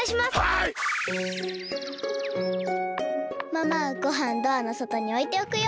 ママごはんドアのそとにおいておくよ。